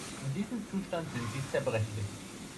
In diesem Zustand sind sie zerbrechlich.